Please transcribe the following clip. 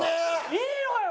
いいのかよ？